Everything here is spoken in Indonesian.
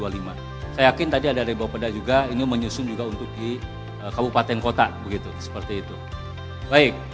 saya yakin tadi ada dari bapak peda juga ini menyusun juga untuk di kabupaten kota begitu seperti itu baik